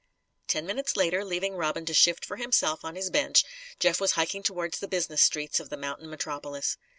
Ten minutes later, leaving Robin to shift for himself on his bench, Jeff was hiking towards the business streets of the mountain metropolis.